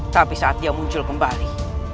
tapi saat dia muncul kembali